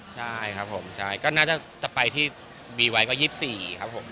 ใช่ครับผมใช่ก็น่าจะไปที่บีไวท์ก็๒๔ครับผม